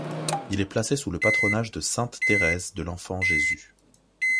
Il est placé sous le patronage de sainte Thérèse de l'Enfant-Jésus.